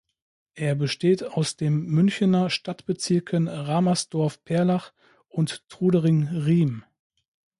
Er besteht aus dem Münchener Stadtbezirken Ramersdorf-Perlach und Trudering-Riem.